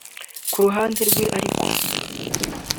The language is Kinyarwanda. Ku ruhande rwe ariko